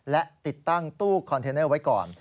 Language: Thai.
และติดตั้งตู้คอนเทนเนอร์ไว้ก่อน